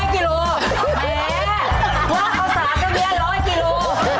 แหมว่าข้าวสารตัวเนี้ย๑๐๐กิโล